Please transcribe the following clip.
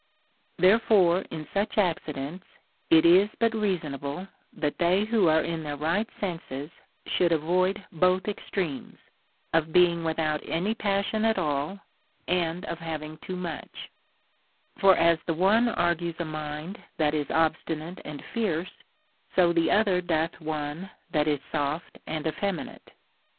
4. Therefore in such accidents, it is but reasonable that they who are in their right senses should avoid both ex tremes, of being Avithout any passion at all and of having too much ; for as the one argues a mind that is obstinate and fierce, so the other doth one that is soft and effeminate.